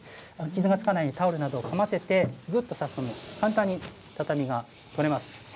傷がつかないようにタオルなどをかませて、ぐっとさすと、簡単に畳が取れます。